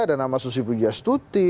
ada nama susi pujiastuti